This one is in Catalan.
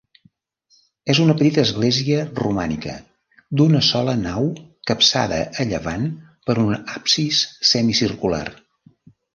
És una petita església romànica, d'una sola nau capçada a llevant per un absis semicircular.